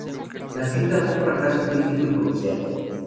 La cinta fue un fracaso crítico y comercial.